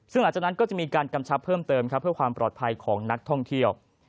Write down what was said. ซึ่งหลังจากนั้นก็จะมีการกำชับเพิ่มเติมครับเพื่อความปลอดภัยของนักท่องเที่ยว